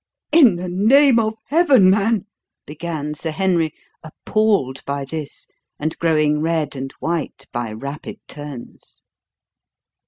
"In the name of Heaven, man," began Sir Henry, appalled by this, and growing red and white by rapid turns.